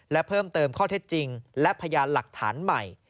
และเพิ่มเติมข้อเท็จจริงและพยานหลักฐานใหม่